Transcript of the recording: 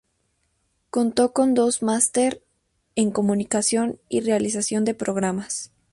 Contó con dos máster en comunicación y realización de programas.